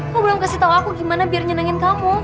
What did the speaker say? kau belum kasih tau aku gimana biar nyenengin kamu